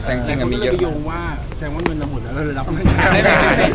แต่จริงมันมีเยอะมาก